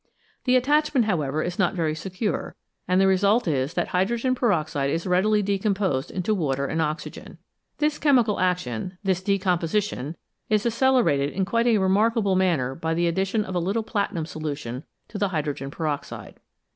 The attachment, however, is not very secure, and the result is that hydrogen peroxide is readily de composed into water and oxygen. This chemical action, this decomposition, is accelerated in quite a remarkable manner by the addition of a little platinum solution to the hydrogen peroxide.